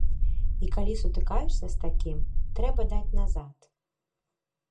І калі сутыкаешся з такім, трэба даць назад.